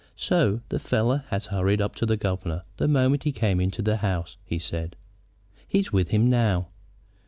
"So the fellow has hurried up to the governor the moment he came into the house," he said. "He's with him now."